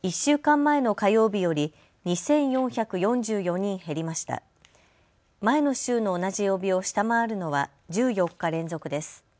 前の週の同じ曜日を下回るのは１４日連続です。